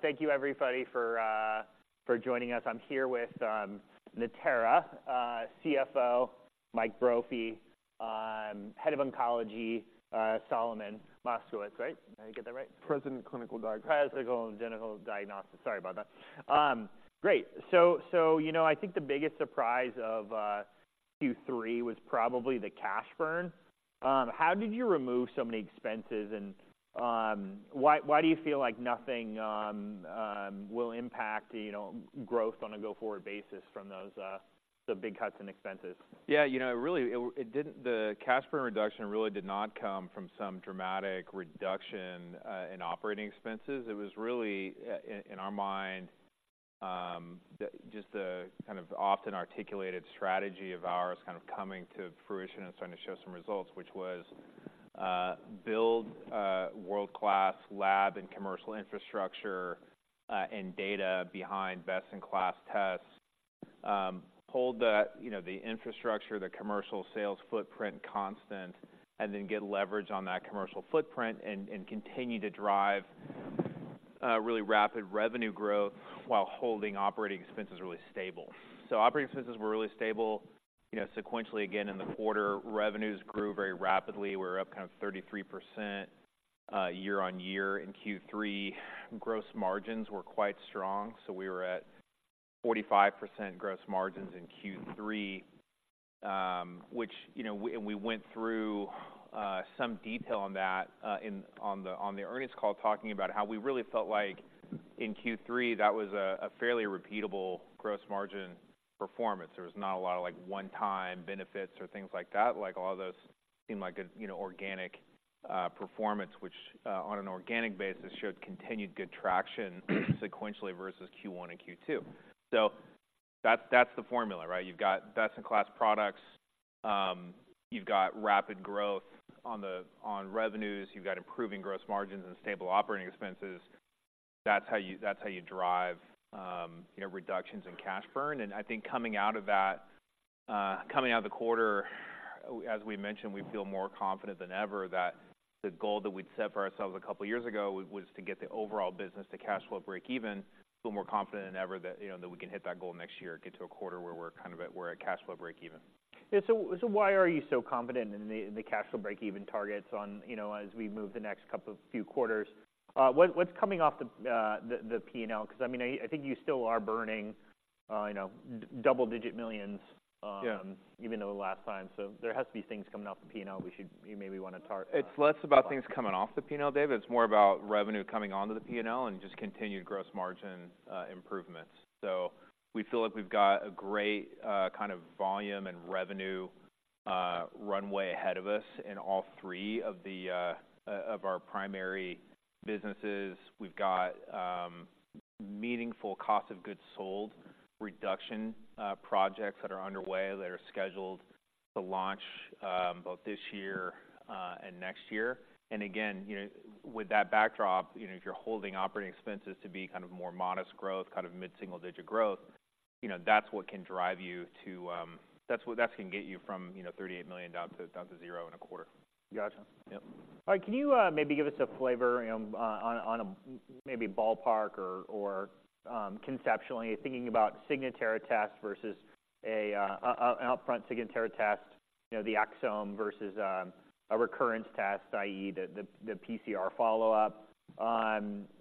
Thank you, everybody, for, for joining us. I'm here with Natera CFO, Mike Brophy, Head of Oncology, Solomon Moshkevich, right? Did I get that right? President, Clinical Diagnostics. Clinical and Diagnostic. Sorry about that. Great! So, so, you know, I think the biggest surprise of Q3 was probably the cash burn. How did you remove so many expenses, and why, why do you feel like nothing will impact, you know, growth on a go-forward basis from those the big cuts in expenses? Yeah, you know, it really didn't. The cash burn reduction really did not come from some dramatic reduction in operating expenses. It was really in our mind the kind of often articulated strategy of ours, kind of coming to fruition and starting to show some results, which was build a world-class lab and commercial infrastructure and data behind best-in-class tests. Hold the, you know, the infrastructure, the commercial sales footprint constant, and then get leverage on that commercial footprint and continue to drive really rapid revenue growth while holding operating expenses really stable. So operating expenses were really stable. You know, sequentially, again, in the quarter, revenues grew very rapidly. We're up kind of 33% year-over-year in Q3. Gross margins were quite strong, so we were at 45% gross margins in Q3, which, you know... And we went through some detail on that in on the earnings call, talking about how we really felt like in Q3, that was a fairly repeatable gross margin performance. There was not a lot of, like, one-time benefits or things like that. Like, all those seemed like a you know, organic performance, which on an organic basis, showed continued good traction, sequentially versus Q1 and Q2. So that's, that's the formula, right? You've got best-in-class products, you've got rapid growth on the- on revenues, you've got improving gross margins and stable operating expenses. That's how you, that's how you drive, you know, reductions in cash burn. I think coming out of that, coming out of the quarter, as we mentioned, we feel more confident than ever that the goal that we'd set for ourselves a couple of years ago was to get the overall business to cash flow breakeven. Feel more confident than ever that, you know, that we can hit that goal next year and get to a quarter where we're kind of at, we're at cash flow breakeven. Yeah. So why are you so confident in the cash flow breakeven targets on, you know, as we move the next couple of few quarters? What, what's coming off the P&L? Because, I mean, I think you still are burning, you know, double-digit millions. Yeah ...even though the last time. So there has to be things coming off the P&L, we should—you maybe want to tar- It's less about things coming off the P&L, David. It's more about revenue coming onto the P&L and just continued gross margin improvements. So we feel like we've got a great kind of volume and revenue runway ahead of us in all three of our primary businesses. We've got meaningful cost of goods sold reduction projects that are underway, that are scheduled to launch both this year and next year. And again, you know, with that backdrop, you know, if you're holding operating expenses to be kind of more modest growth, kind of mid-single-digit growth, you know, that's what can drive you to, that's what- that's going to get you from, you know, $38 million down to down to zero in a quarter. Gotcha. Yep. All right, can you maybe give us a flavor on a maybe ballpark or conceptually thinking about Signatera test versus an upfront Signatera test, you know, the exome versus a recurrence test, i.e., the PCR follow-up.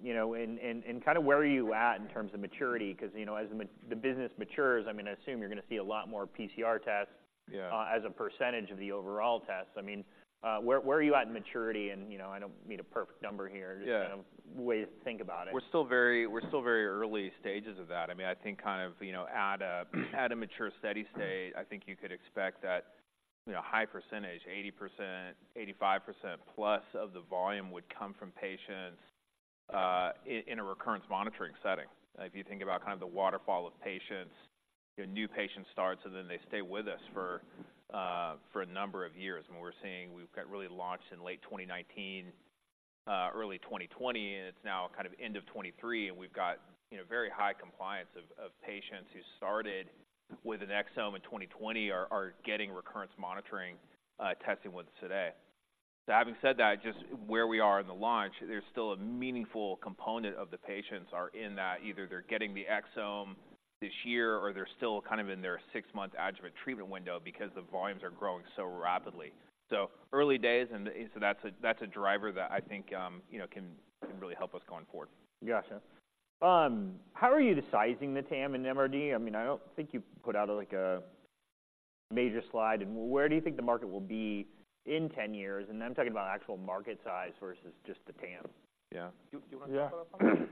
You know, and kind of where are you at in terms of maturity? Because, you know, as the business matures, I mean, I assume you're going to see a lot more PCR tests- Yeah... as a percentage of the overall tests. I mean, where are you at in maturity? And, you know, I don't need a perfect number here- Yeah... just, you know, ways to think about it. We're still very early stages of that. I mean, I think kind of, you know, at a mature, steady state, I think you could expect that, you know, a high percentage, 80%, 85%+ of the volume would come from patients in a recurrence monitoring setting. If you think about kind of the waterfall of patients, your new patient starts, and then they stay with us for a number of years. And we're seeing we've got really launched in late 2019, early 2020, and it's now kind of end of 2023, and we've got, you know, very high compliance of patients who started with an exome in 2020 are getting recurrence monitoring testing with us today. So having said that, just where we are in the launch, there's still a meaningful component of the patients are in that either they're getting the exome this year, or they're still kind of in their six-month adjuvant treatment window because the volumes are growing so rapidly. So early days, and so that's a, that's a driver that I think, you know, can, can really help us going forward. Gotcha. How are you sizing the TAM and MRD? I mean, I don't think you've put out, like, a major slide and where do you think the market will be in 10 years? I'm talking about actual market size versus just the TAM. Yeah. Do you want to start off? Yeah.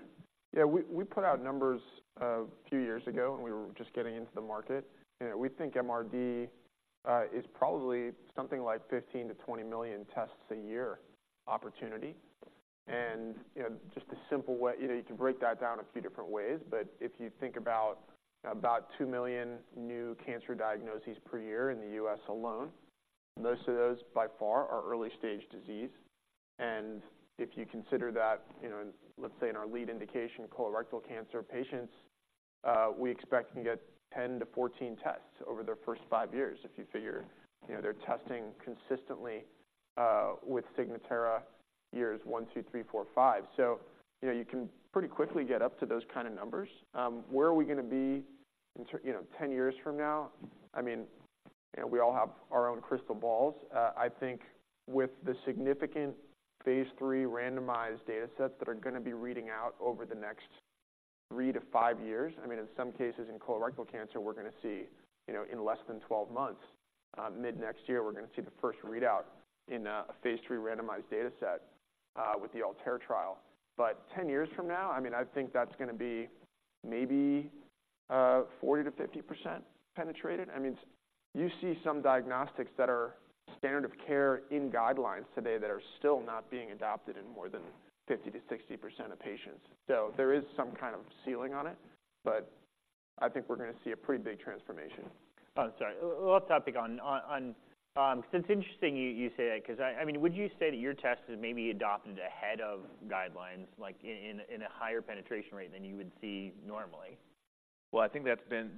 Yeah, we, we put out numbers a few years ago, and we were just getting into the market, and we think MRD is probably something like 15 million-20 million tests a year opportunity. And, you know, just a simple way, you know, you can break that down a few different ways, but if you think about, about 2 million new cancer diagnoses per year in the U.S. alone, most of those, by far, are early-stage disease. And if you consider that, you know, let's say in our lead indication, colorectal cancer patients-... we expect to get 10-14 tests over their first five years. If you figure, you know, they're testing consistently with Signatera years one, two, three, four, five. So, you know, you can pretty quickly get up to those kind of numbers. Where are we going to be in terms you know, 10 years from now? I mean, you know, we all have our own crystal balls. I think with the significant phase III randomized data sets that are going to be reading out over the next three to five years, I mean, in some cases, in colorectal cancer, we're going to see, you know, in less than 12 months, mid-next year, we're going to see the first readout in a phase III randomized data set with the ALTAIR trial. But ten years from now, I mean, I think that's going to be maybe 40%-50% penetrated. I mean, you see some diagnostics that are standard of care in guidelines today that are still not being adopted in more than 50%-60% of patients. So there is some kind of ceiling on it, but I think we're going to see a pretty big transformation. Oh, sorry. Off topic on... So it's interesting you say that, 'cause I mean, would you say that your test is maybe adopted ahead of guidelines, like, in a higher penetration rate than you would see normally? Well, I think that's been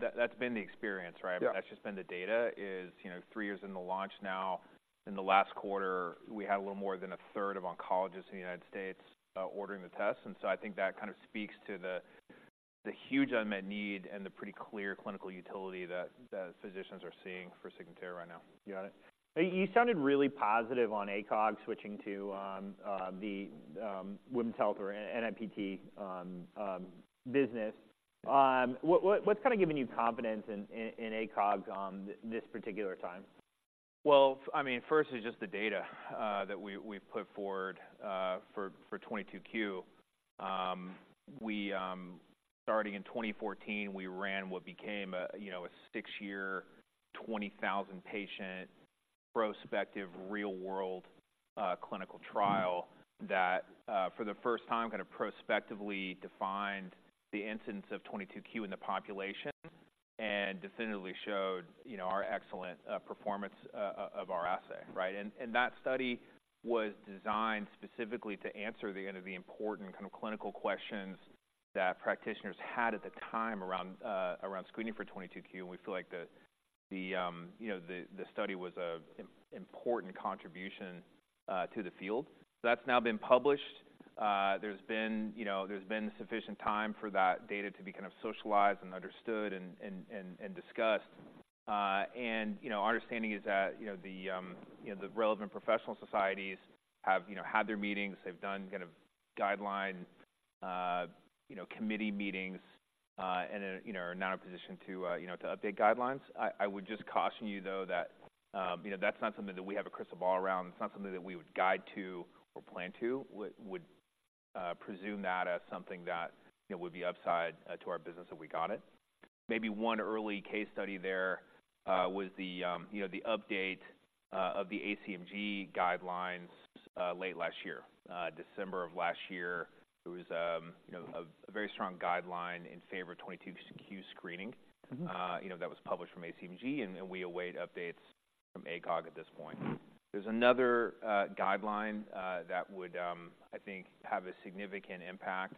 the experience, right? Yeah. That's just been the data, you know, three years in the launch now. In the last quarter, we had a little more than a third of oncologists in the United States ordering the test. And so I think that kind of speaks to the huge unmet need and the pretty clear clinical utility that physicians are seeing for Signatera right now. You got it. You sounded really positive on ACOG switching to the women's health or NIPT business. What's kind of giving you confidence in ACOG this particular time? Well, I mean, first is just the data that we, we've put forward for 22q. We starting in 2014, we ran what became a, you know, a six-year, 20,000-patient, prospective, real-world clinical trial- Mm-hmm. that, for the first time, kind of prospectively defined the incidence of 22q in the population and definitively showed, you know, our excellent, performance, of our assay, right? And, and that study was designed specifically to answer the, kind of the important kind of clinical questions that practitioners had at the time around, around screening for 22q. And we feel like the, the, you know, the, the study was an important contribution, to the field. That's now been published. There's been, you know, there's been sufficient time for that data to be kind of socialized and understood and, and, and, and discussed. And, you know, our understanding is that, you know, the, you know, the relevant professional societies have, you know, had their meetings. They've done kind of guideline committee meetings, and are now in a position to update guidelines. I would just caution you, though, that, you know, that's not something that we have a crystal ball around. It's not something that we would guide to or plan to. We would presume that as something that, you know, would be upside to our business if we got it. Maybe one early case study there was the update of the ACMG guidelines late last year. December of last year, there was a very strong guideline in favor of 22q screening. Mm-hmm. You know, that was published from ACMG, and we await updates from ACOG at this point. There's another guideline that would, I think, have a significant impact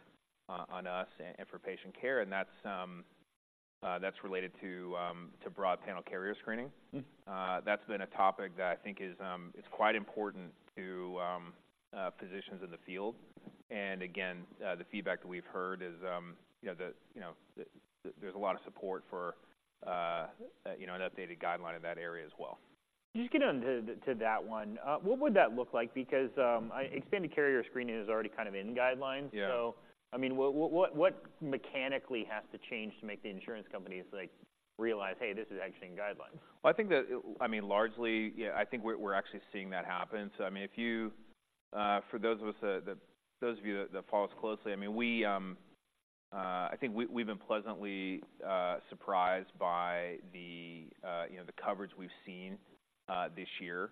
on us and for patient care, and that's related to broad panel carrier screening. Mm. That's been a topic that I think is quite important to physicians in the field. And again, the feedback that we've heard is, you know, that, you know, there's a lot of support for, you know, an updated guideline in that area as well. Just getting into that one, what would that look like? Because, I... Expanded carrier screening is already kind of in guidelines. Yeah. So, I mean, what mechanically has to change to make the insurance companies like realize, "Hey, this is actually in guidelines? Well, I think that, I mean, largely, yeah, I think we're actually seeing that happen. So I mean, if you, for those of you that follow us closely, I mean, I think we've been pleasantly surprised by the, you know, the coverage we've seen, this year,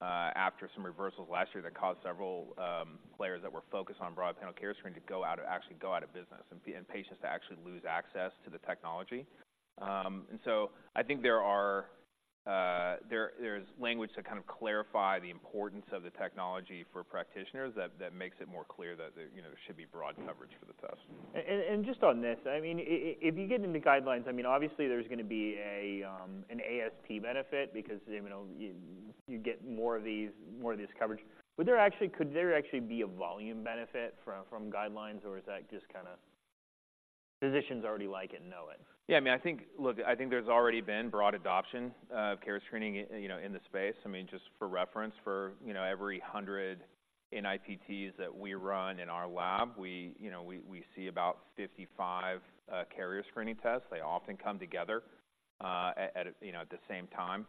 after some reversals last year that caused several players that were focused on broad panel carrier screening to actually go out of business, and patients to actually lose access to the technology. And so I think there's language to kind of clarify the importance of the technology for practitioners that makes it more clear that there, you know, should be broad coverage for the test. And just on this, I mean, if you get into guidelines, I mean, obviously there's going to be an ASP benefit because, you know, you get more of these, more of this coverage. Would there actually, could there actually be a volume benefit from guidelines, or is that just kind of physicians already like it and know it? Yeah, I mean, I think... Look, I think there's already been broad adoption of carrier screening, you know, in the space. I mean, just for reference, for, you know, every 100 NIPTs that we run in our lab, we, you know, we, we see about 55 carrier screening tests. They often come together, at, at, you know, at the same time,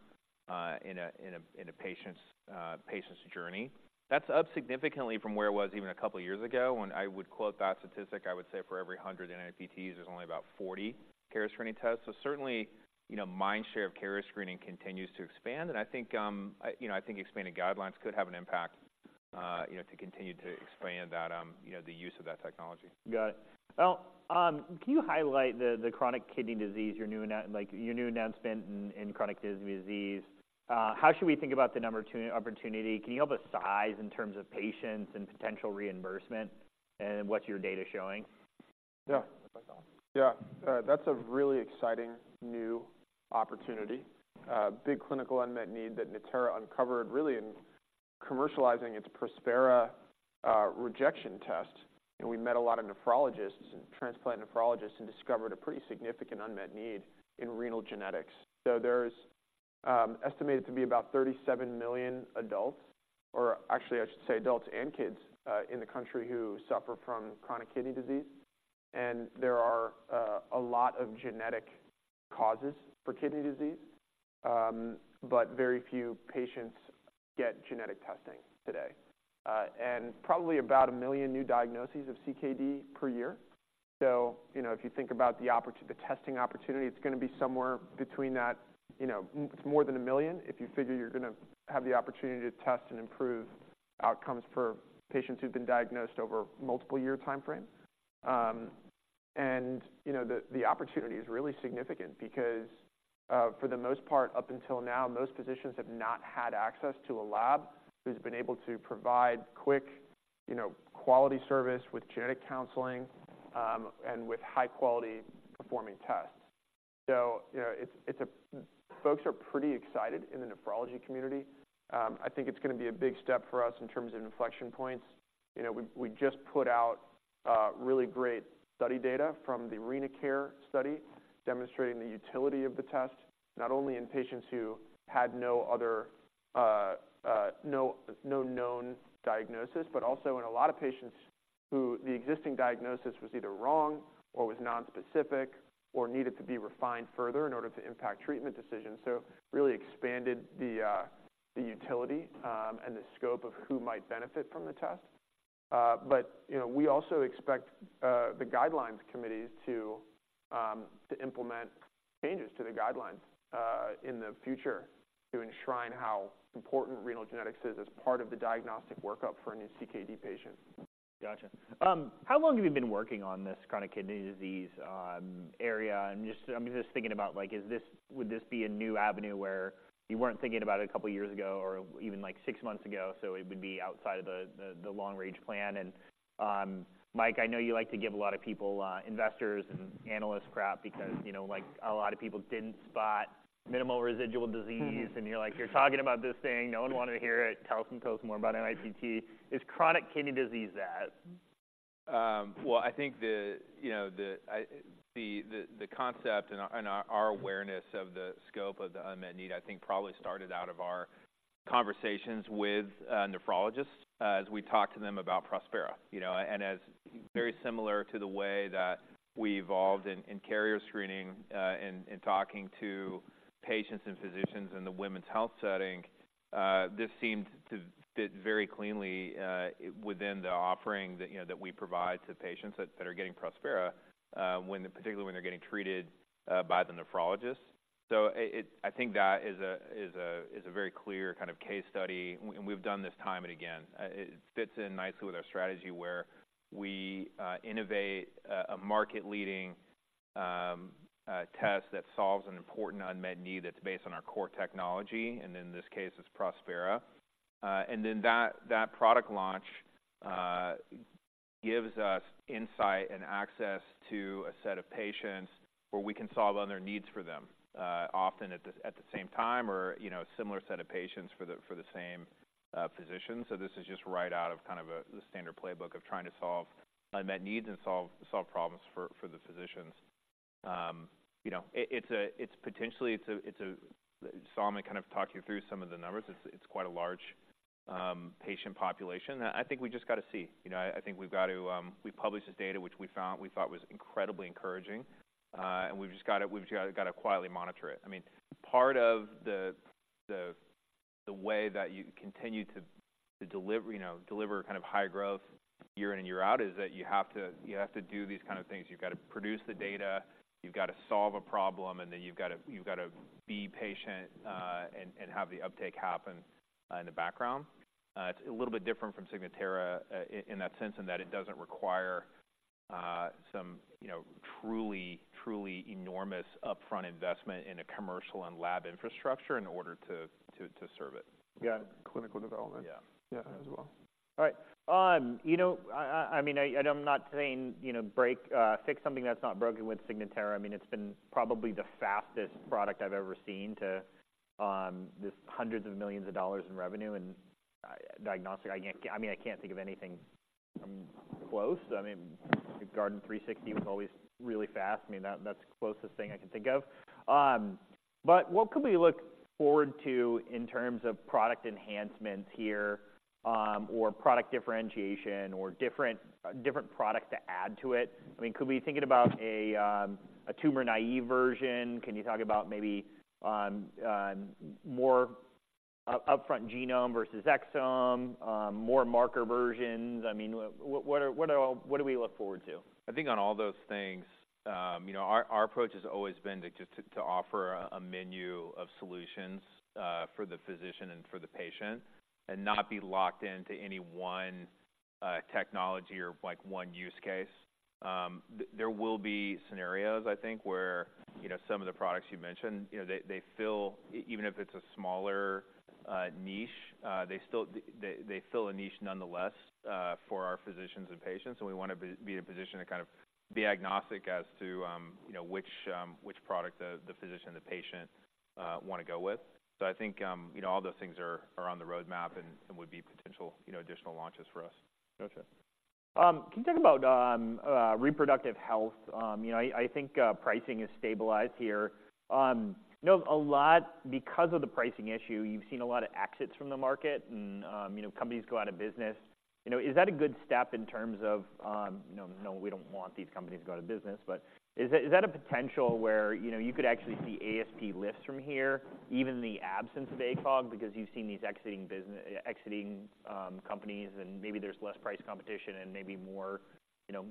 in a patient's journey. That's up significantly from where it was even a couple of years ago, when I would quote that statistic, I would say for every 100 NIPTs, there's only about 40 carrier screening tests. So certainly, you know, mind share of carrier screening continues to expand, and I think, I, you know, I think expanded guidelines could have an impact, you know, to continue to expand that, you know, the use of that technology. Got it. Well, can you highlight the chronic kidney disease, your new announcement in chronic kidney disease? How should we think about the Natera opportunity? Can you help us size in terms of patients and potential reimbursement and what's your data showing?... Yeah. Yeah, that's a really exciting new opportunity. Big clinical unmet need that Natera uncovered really in commercializing its Prospera rejection test. And we met a lot of nephrologists and transplant nephrologists and discovered a pretty significant unmet need in renal genetics. So there's, estimated to be about 37 million adults, or actually I should say, adults and kids, in the country who suffer from chronic kidney disease. And there are, a lot of genetic causes for kidney disease, but very few patients get genetic testing today. And probably about 1 million new diagnoses of CKD per year. So, you know, if you think about the testing opportunity, it's gonna be somewhere between that, you know, it's more than a million, if you figure you're gonna have the opportunity to test and improve outcomes for patients who've been diagnosed over multiple year timeframe. And, you know, the opportunity is really significant because, for the most part, up until now, most physicians have not had access to a lab who's been able to provide quick, you know, quality service with genetic counseling, and with high-quality performing tests. So, you know, it's folks are pretty excited in the nephrology community. I think it's gonna be a big step for us in terms of inflection points. You know, we just put out really great study data from the RenaCARE study, demonstrating the utility of the test, not only in patients who had no known diagnosis, but also in a lot of patients who the existing diagnosis was either wrong or was nonspecific, or needed to be refined further in order to impact treatment decisions. So really expanded the utility and the scope of who might benefit from the test. But, you know, we also expect the guidelines committees to implement changes to the guidelines in the future to enshrine how important renal genetics is as part of the diagnostic workup for a new CKD patient. Gotcha. How long have you been working on this chronic kidney disease area? And just—I'm just thinking about, like, is this... Would this be a new avenue where you weren't thinking about it a couple of years ago, or even, like, six months ago, so it would be outside of the long-range plan? And, Mike, I know you like to give a lot of people, investors and analysts crap because, you know, like, a lot of people didn't spot minimal residual disease. And you're like: "You're talking about this thing. No one wanted to hear it. Tell us more about NIPT." Is chronic kidney disease that? Well, I think the concept and our awareness of the scope of the unmet need, I think, probably started out of our conversations with nephrologists as we talked to them about Prospera. You know, and as very similar to the way that we evolved in carrier screening in talking to patients and physicians in the women's health setting, this seemed to fit very cleanly within the offering that, you know, that we provide to patients that are getting Prospera, particularly when they're getting treated by the nephrologist. So it... I think that is a very clear kind of case study, and we've done this time and again. It fits in nicely with our strategy, where we innovate a market-leading test that solves an important unmet need that's based on our core technology, and in this case, it's Prospera. And then that product launch gives us insight and access to a set of patients where we can solve other needs for them, often at the same time or, you know, a similar set of patients for the same physician. So this is just right out of kind of the standard playbook of trying to solve unmet needs and solve problems for the physicians. You know, it's potentially a... Solomon kind of talked you through some of the numbers. It's quite a large patient population. I think we just got to see. You know, I think we've got to. We published this data, which we thought was incredibly encouraging, and we've just gotta quietly monitor it. I mean, part of the way that you continue to deliver, you know, deliver kind of high growth year in and year out, is that you have to do these kind of things. You've got to produce the data, you've got to solve a problem, and then you've got to be patient, and have the uptake happen in the background. It's a little bit different from Signatera, in that sense, in that it doesn't require some, you know, truly enormous upfront investment in a commercial and lab infrastructure in order to serve it. Yeah, clinical development. Yeah. Yeah, as well. All right. You know, I mean, I'm not saying, you know, break, fix something that's not broken with Signatera. I mean, it's been probably the fastest product I've ever seen to hundreds of millions of dollars in revenue and diagnostic. I mean, I can't think of anything close. I mean, Guardant360 was always really fast. I mean, that's the closest thing I can think of. But what could we look forward to in terms of product enhancements here, or product differentiation or different products to add to it? I mean, could we be thinking about a tumor-naive version? Can you talk about maybe more upfront genome versus exome, more marker versions? I mean, what do we look forward to? I think on all those things, you know, our approach has always been to just offer a menu of solutions for the physician and for the patient, and not be locked into any one technology or like one use case. There will be scenarios, I think, where, you know, some of the products you mentioned, you know, they fill, even if it's a smaller niche, they still fill a niche nonetheless for our physicians and patients. So we wanna be in a position to kind of be agnostic as to, you know, which product the physician and the patient wanna go with. So I think, you know, all those things are on the roadmap and would be potential, you know, additional launches for us. Gotcha. Can you talk about reproductive health? You know, I think pricing is stabilized here. You know, a lot, because of the pricing issue, you've seen a lot of exits from the market and, you know, companies go out of business. You know, is that a good step in terms of, you know, no, we don't want these companies to go out of business, but is that, is that a potential where, you know, you could actually see ASP lifts from here, even in the absence of ACOG, because you've seen these exiting companies, and maybe there's less price competition and maybe more, you know,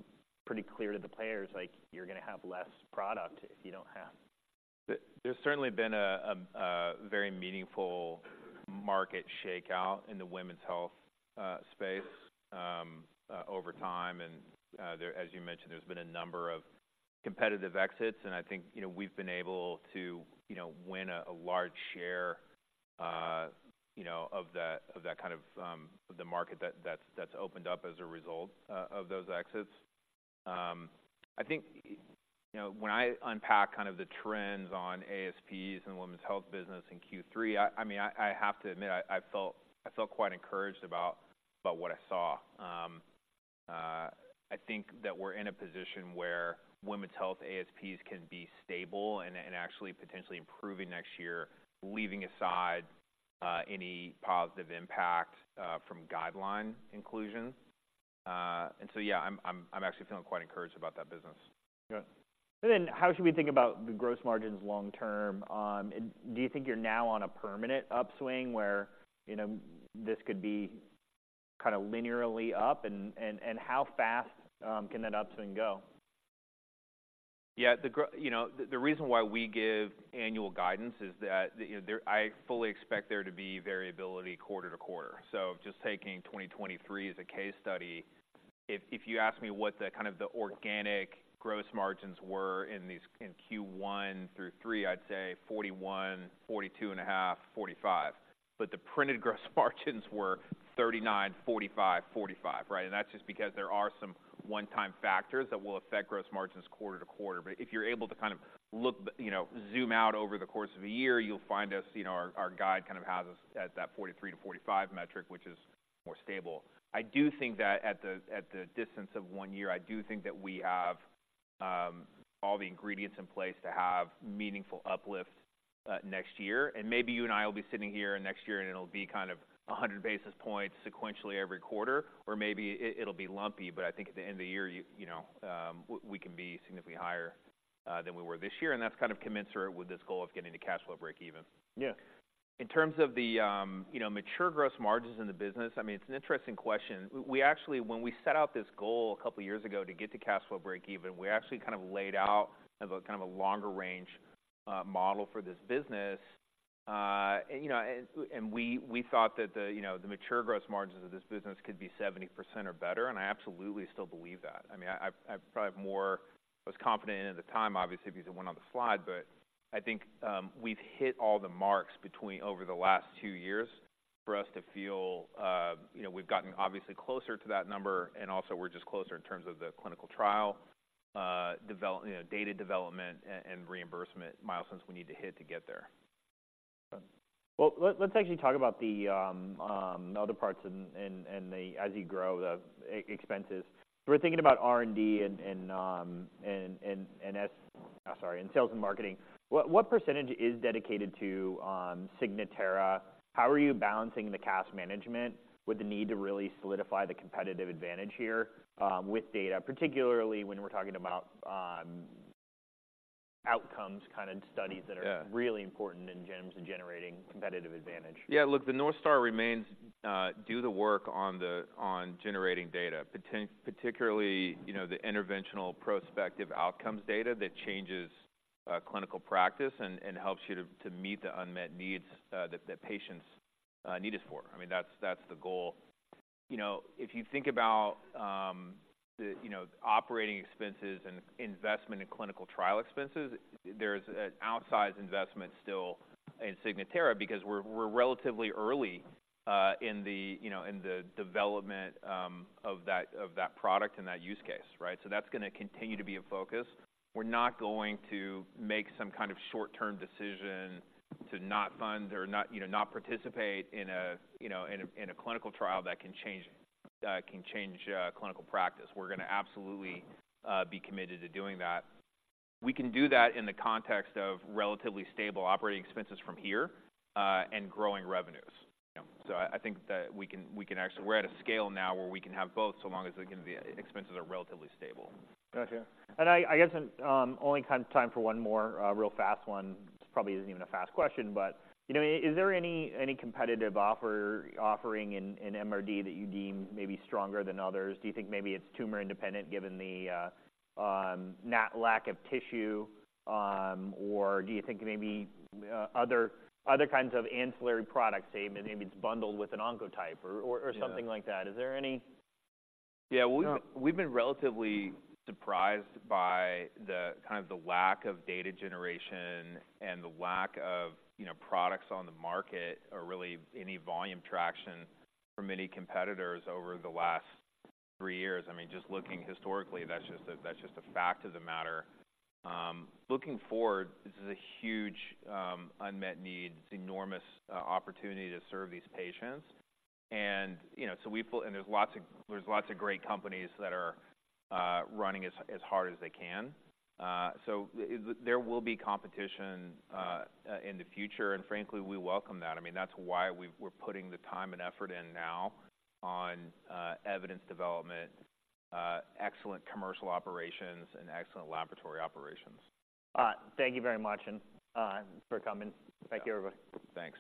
pretty clear to the players, like, you're gonna have less product if you don't have? There's certainly been a very meaningful market shakeout in the women's health space over time. And, as you mentioned, there's been a number of competitive exits, and I think, you know, we've been able to, you know, win a large share, you know, of that, of that kind of the market that's opened up as a result of those exits. I think, you know, when I unpack kind of the trends on ASPs and women's health business in Q3, I mean, I have to admit, I felt quite encouraged about what I saw. I think that we're in a position where women's health ASPs can be stable and actually potentially improving next year, leaving aside any positive impact from guideline inclusion. So, yeah, I'm actually feeling quite encouraged about that business. Good. And then how should we think about the gross margins long term? And do you think you're now on a permanent upswing, where, you know, this could be kinda linearly up? And how fast can that upswing go? Yeah, you know, the reason why we give annual guidance is that, you know, I fully expect there to be variability quarter to quarter. So just taking 2023 as a case study, if you ask me what the kind of the organic gross margins were in Q1 through Q3, I'd say 41%, 42.5%, 45%, but the printed gross margins were 39%, 45%, 45%, right? And that's just because there are some one-time factors that will affect gross margins quarter to quarter. But if you're able to kind of look, you know, zoom out over the course of a year, you'll find us, you know, our guide kind of has us at that 43%-45% metric, which is more stable. I do think that at the distance of one year, I do think that we have all the ingredients in place to have meaningful uplift next year. And maybe you and I will be sitting here next year, and it'll be kind of 100 basis points sequentially every quarter, or maybe it'll be lumpy, but I think at the end of the year, you know, we can be significantly higher than we were this year, and that's kind of commensurate with this goal of getting to cash flow breakeven. Yeah. In terms of the, you know, mature gross margins in the business, I mean, it's an interesting question. We, we actually, when we set out this goal a couple of years ago to get to cash flow breakeven, we actually kind of laid out a, kind of a longer range, model for this business. And, you know, and, and we, we thought that the, you know, the mature gross margins of this business could be 70% or better, and I absolutely still believe that. I mean, I, I, I probably have more... I was confident at the time, obviously, because it went on the slide, but I think we've hit all the marks between over the last two years for us to feel, you know, we've gotten obviously closer to that number, and also we're just closer in terms of the clinical trial, you know, data development and reimbursement milestones we need to hit to get there. Well, let's actually talk about the other parts and as you grow the expenses. So we're thinking about R&D and sales and marketing. What percentage is dedicated to Signatera? How are you balancing the cash management with the need to really solidify the competitive advantage here with data, particularly when we're talking about outcomes kind of studies- Yeah... that are really important in terms of generating competitive advantage? Yeah, look, the North Star remains, do the work on the, on generating data, particularly, you know, the interventional prospective outcomes data that changes, clinical practice and, and helps you to, to meet the unmet needs, that, that patients, need it for. I mean, that's, that's the goal. You know, if you think about, the, you know, operating expenses and investment in clinical trial expenses, there's an outsized investment still in Signatera because we're, we're relatively early, in the, you know, in the development, of that, of that product and that use case, right? So that's gonna continue to be a focus. We're not going to make some kind of short-term decision to not fund or not, you know, not participate in a, you know, in a, in a clinical trial that can change, can change, clinical practice. We're gonna absolutely be committed to doing that. We can do that in the context of relatively stable operating expenses from here, and growing revenues. So I think that we can actually. We're at a scale now where we can have both, so long as, again, the expenses are relatively stable. Gotcha. And I guess only have time for one more real fast one. This probably isn't even a fast question, but, you know, is there any competitive offering in MRD that you deem maybe stronger than others? Do you think maybe it's tumor-independent, given the not lack of tissue, or do you think maybe other kinds of ancillary products, maybe it's bundled with an Oncotype or, or- Yeah... something like that? Is there any? Yeah, we've been relatively surprised by the kind of the lack of data generation and the lack of, you know, products on the market or really any volume traction for many competitors over the last three years. I mean, just looking historically, that's just a fact of the matter. Looking forward, this is a huge unmet need. It's enormous opportunity to serve these patients. And, you know, so we feel and there's lots of great companies that are running as hard as they can. So there will be competition in the future, and frankly, we welcome that. I mean, that's why we're putting the time and effort in now on evidence development, excellent commercial operations, and excellent laboratory operations. Thank you very much and for coming. Yeah. Thank you, everybody. Thanks.